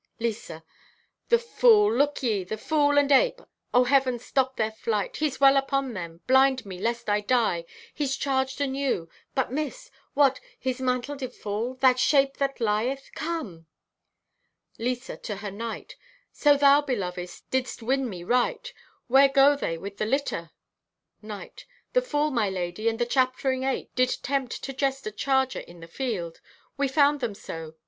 (Lisa) "The fool! Look ye, the fool and ape! Oh heaven stop their flight! He's well upon them! Blind me, lest I die! He's charged anew, but missed! What, did his mantle fall? That shape that lieth! Come!" (Lisa, to her knight) "So, thou, beloved, didst win me right! Where go they with the litter?" (Knight) "The fool, my lady, and a chattering ape, did tempt to jest a charger in the field. We found them so.